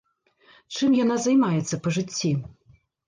Чым яна займаецца па жыцці?